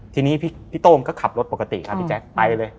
ทีนี้พี่โต้งก็ขับรถปกติครับพี่แจ๊คไปเลย